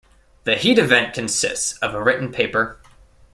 The heat event consists of a written paper.